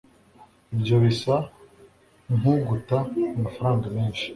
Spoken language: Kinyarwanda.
Ibyo bisa nkuguta amafaranga menshi.